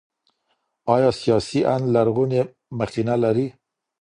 ايا سياسي آند لرغونې مخېنه لري؟